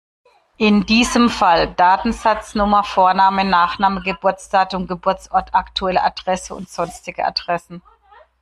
In diesem Fall: Datensatznummer, Vorname, Nachname, Geburtsdatum, Geburtsort, aktuelle Adresse und sonstige Adressen.